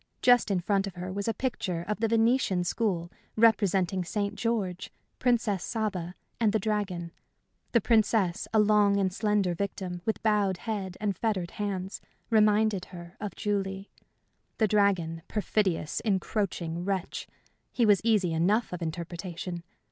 Just in front of her was a picture of the Venetian school representing St. George, Princess Saba, and the dragon. The princess, a long and slender victim, with bowed head and fettered hands, reminded her of Julie. The dragon perfidious, encroaching wretch! he was easy enough of interpretation.